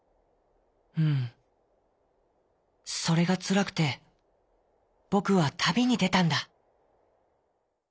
「うんそれがつらくてぼくはたびにでたんだ」。